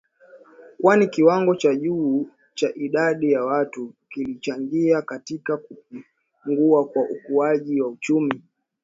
Kwani kiwango cha juu cha idadi ya watu kilichangia katika kupungua kwa ukuaji wa uchumi